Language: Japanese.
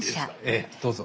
ええどうぞ。